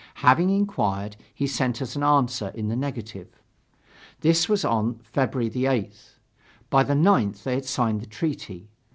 Having inquired, he sent us an answer in the negative. This was on February 8th. By the 9th, they had to sign the treaty.